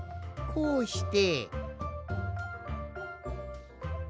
こうして。